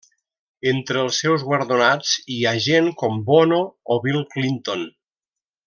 Entre els seus guardonats hi ha gent com Bono o Bill Clinton.